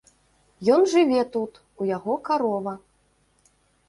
Ён жыве тут, у яго карова.